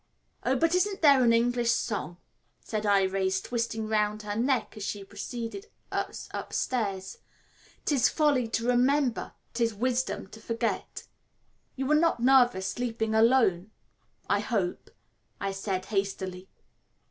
"Oh, but isn't there an English song," said Irais, twisting round her neck as she preceded us upstairs, "''Tis folly to remember, 'tis wisdom to forget'?" "You are not nervous sleeping alone, I hope," I said hastily.